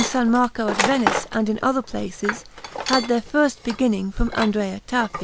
Marco at Venice, and in other places, had their first beginning from Andrea Tafi.